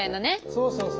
そうそうそう。